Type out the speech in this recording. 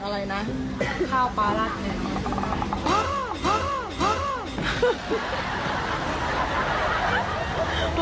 อ๋อใหญ่มาก